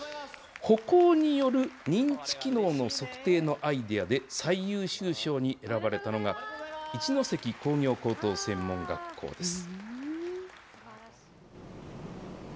歩行による認知機能の測定のアイデアで最優秀賞に選ばれたのが、一関工業専門学校です。